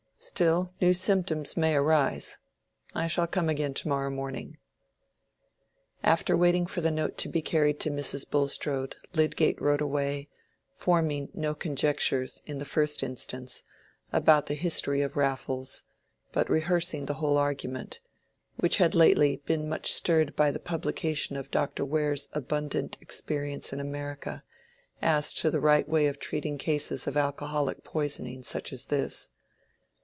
Still, new symptoms may arise. I shall come again to morrow morning." After waiting for the note to be carried to Mrs. Bulstrode, Lydgate rode away, forming no conjectures, in the first instance, about the history of Raffles, but rehearsing the whole argument, which had lately been much stirred by the publication of Dr. Ware's abundant experience in America, as to the right way of treating cases of alcoholic poisoning such as this.